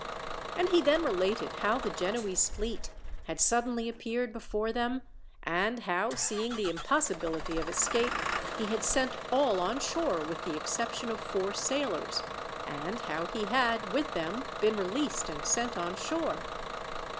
And he then related how the Genoese fleet had suddenly appeared before them, and how, seeing the impossibility of escape, he had sent all on shore with the exception of four sailors, and how he had, with them, been released and sent on shore.